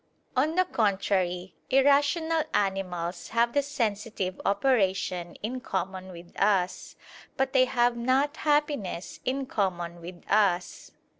On the contrary, Irrational animals have the sensitive operation in common with us: but they have not happiness in common with us.